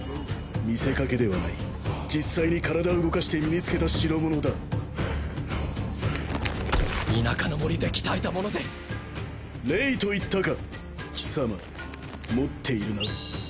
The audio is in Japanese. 見せかけではない実際に体を動かして身につけた代物だ田舎の森で鍛えたものでレイと言ったか貴様持っているな？